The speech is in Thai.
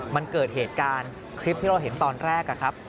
มันเกิดเหตุการณ์คลิปที่เราเห็นตอนแรกครับ